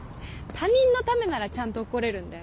他人のためならちゃんと怒れるんだよね。